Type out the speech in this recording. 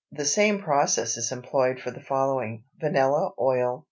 The same process is employed for the following: VANILLA OIL.